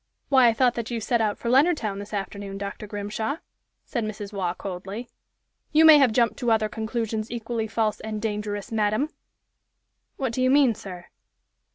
"Why, I thought that you set out for Leonardtown this afternoon, Dr. Grimshaw!" said Mrs. Waugh, coldly. "You may have jumped to other conclusions equally false and dangerous, madam!" "What do you mean, sir?"